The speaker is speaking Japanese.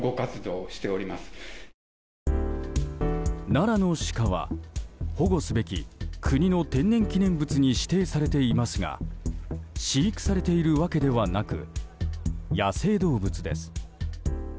奈良のシカは保護すべき国の天然記念物に指定されていますが飼育されているわけではなく野生動物です。